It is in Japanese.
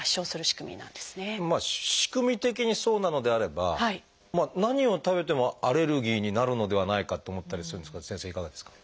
仕組み的にそうなのであれば何を食べてもアレルギーになるのではないかと思ったりするんですが先生いかがですか？